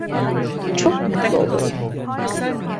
Çok mutlu olurum.